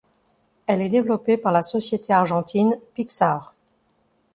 Elle est développée par la société argentine Pixart.